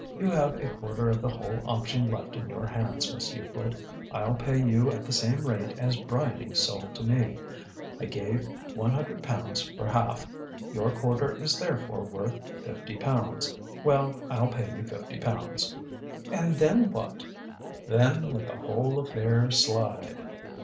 You have a quarter of the whole option left in your hands, Miss Euclid. I'll pay you at the same rate as Bryany sold to me. I gave £100 for half. Your quarter is therefore worth £50. Well, I'll pay you £50." "And then what?" "Then let the whole affair slide."